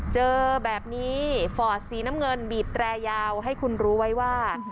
เจอแบบนี้ฟอร์ดสีน้ำเงินบีบแตรยาวให้คุณรู้ไว้ว่า